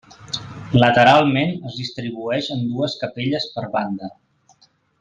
Lateralment es distribueix en dues capelles per banda.